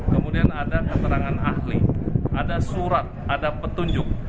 kemudian ada keterangan ahli ada surat ada petunjuk